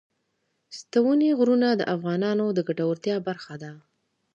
ستوني غرونه د افغانانو د ګټورتیا برخه ده.